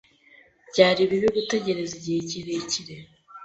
Byari bibi gutegereza igihe kirekire.